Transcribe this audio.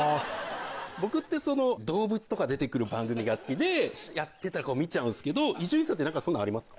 僕ってその動物とか出て来る番組が好きでやってたら見ちゃうんですけど伊集院さんって何かそういうのあります？